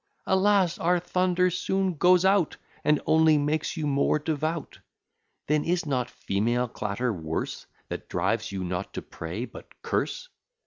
Alas! our thunder soon goes out; And only makes you more devout. Then is not female clatter worse, That drives you not to pray, but curse?